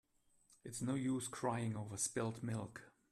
It is no use crying over spilt milk.